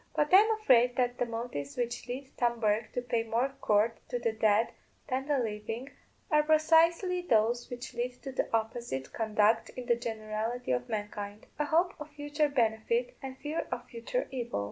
But I am afraid that the motives which lead Tom Bourke to pay more court to the dead than the living are precisely those which lead to the opposite conduct in the generality of mankind a hope of future benefit and a fear of future evil.